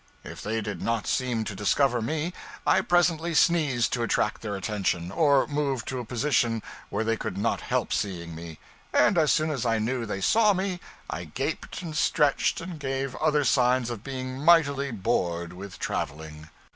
If they did not seem to discover me, I presently sneezed to attract their attention, or moved to a position where they could not help seeing me. And as soon as I knew they saw me I gaped and stretched, and gave other signs of being mightily bored with traveling.